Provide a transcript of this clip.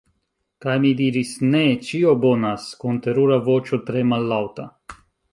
Kaj mi diris: "Ne... ĉio bonas." kun terura voĉo tre mallaŭta.